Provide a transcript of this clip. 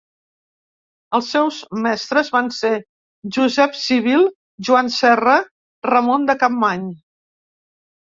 Els seus mestres van ser Josep Civil, Joan Serra, Ramon de Capmany.